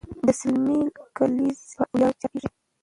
د سلمې کلیزې په ویاړ چاپېږي.